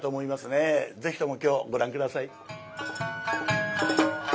ぜひとも今日ご覧下さい。